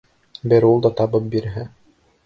Бер ул да табып бирһә.